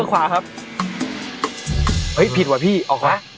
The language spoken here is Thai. เอ๊ะพี่ผิดอ่ะผิด